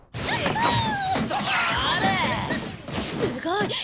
すごい！